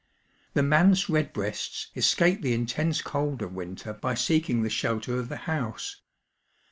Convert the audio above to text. The manse redbreasts escape the intense cold of winter by seeking the shelter of the house.